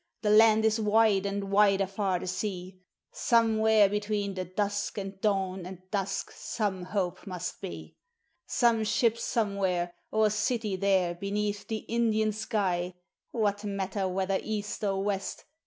the land is wide, and wider far the sea Somewhere between the dusk and dawn and dusk some hope must be; Some ship somewhere or city there beneath the Indian sky What matter whether east or west!